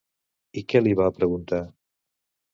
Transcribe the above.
I què li va preguntar?